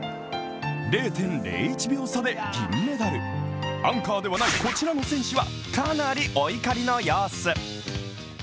０．０１秒差で銀メダルアンカーではないこちらの選手はかなりお怒りの様子。